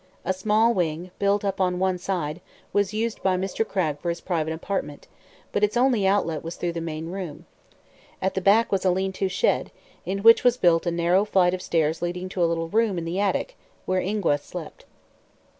A small wing, built upon one side, was used by Mr. Cragg for his private apartment, but its only outlet was through the main room. At the back was a lean to shed, in which was built a narrow flight of stairs leading to a little room in the attic, where Ingua slept.